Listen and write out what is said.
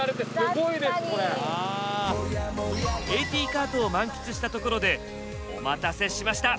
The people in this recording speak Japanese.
ＡＴカートを満喫したところでお待たせしました。